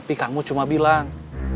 pikir kalau kamu mau pulang